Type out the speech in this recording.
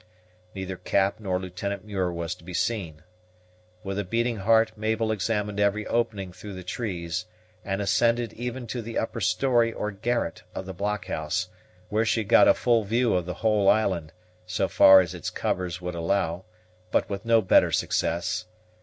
Neither Cap nor Lieutenant Muir was to be seen. With a beating heart, Mabel examined every opening through the trees, and ascended even to the upper story or garret of the blockhouse, where she got a full view of the whole island, so far as its covers would allow, but with no better success.